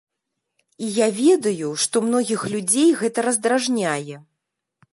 І я ведаю, што многіх людзей гэта раздражняе.